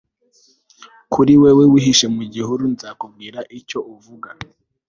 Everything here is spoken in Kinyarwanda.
kuri wewe, wihishe mu gihuru. nzakubwira icyo uvuga